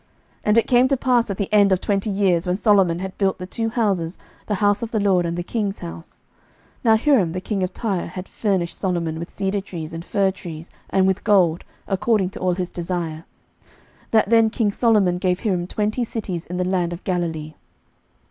11:009:010 And it came to pass at the end of twenty years, when Solomon had built the two houses, the house of the LORD, and the king's house, 11:009:011 (Now Hiram the king of Tyre had furnished Solomon with cedar trees and fir trees, and with gold, according to all his desire,) that then king Solomon gave Hiram twenty cities in the land of Galilee.